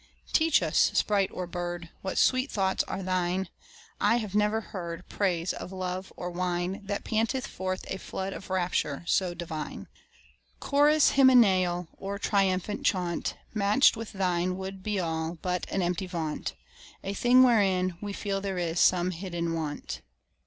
Teach us, sprite or bird, What sweet thoughts are thine: I have never heard Praise of love or wine That panted forth a flood of rapture so divine. Chorus hymeneal Or triumphal chaunt, Match'd with thine, would be all But an empty vaunt A thing wherein we feel there is some hidden want.